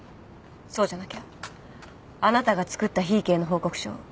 そうじゃなきゃあなたが作った檜池への報告書